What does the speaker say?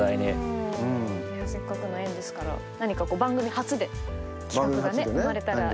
せっかくの縁ですから何か番組発で企画がね生まれたらいいですね。